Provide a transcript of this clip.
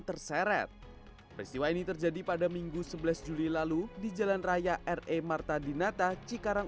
terseret peristiwa ini terjadi pada minggu sebelas juli lalu di jalan raya re marta dinata cikarang